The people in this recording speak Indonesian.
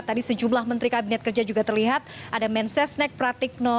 tadi sejumlah menteri kabinet kerja juga terlihat ada mensesnek pratikno